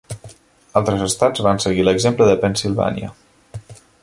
Altres estats van seguir l'exemple de Pennsilvània.